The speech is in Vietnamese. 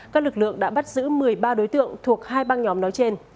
các lực lượng đã bắt giữ một mươi ba đối tượng thuộc hai băng nhóm nói trên